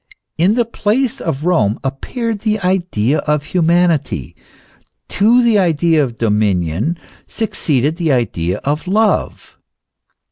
In the place of Rome, appeared the idea of humanity; to the idea of dominion succeeded the idea of love.